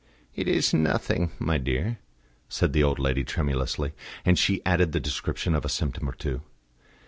"It is nothing, my dear," said the old lady tremulously; and she added the description of a symptom or two.